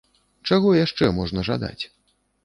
Чаго яшчэ можна жадаць?